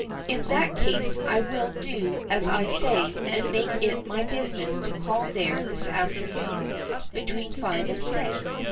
"In that case I will do as I say, and make it my business to call there this afternoon between five and six.